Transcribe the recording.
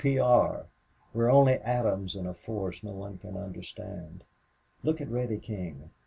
P. R. We're only atoms in a force no one can understand.... Look at Reddy King.